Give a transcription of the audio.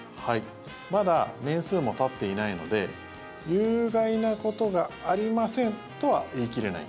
まだ年数もたっていないので有害なことがありませんとは言い切れない。